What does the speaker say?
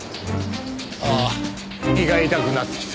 ああ胃が痛くなってきた。